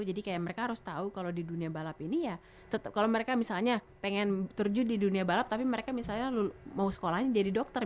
jadi kayak mereka harus tahu kalau di dunia balap ini ya kalau mereka misalnya pengen turju di dunia balap tapi mereka misalnya mau sekolahnya jadi dokter